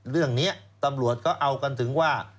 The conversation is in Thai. เรื่องนี้ตำรวจก็เอากันถึงว่า